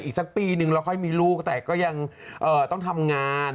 อีกสักปีนึงแล้วค่อยมีลูกแต่ก็ยังต้องทำงาน